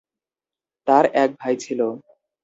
তার এক ভাই ছিল।